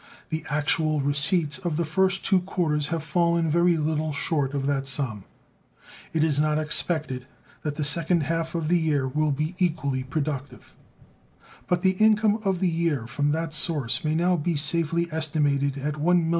The actual receipts of the first two quarters have fallen very little short of that sum; it is not expected that the second half of the year will be equally productive, but the income of the year from that source may now be safely estimated at $1,500,000.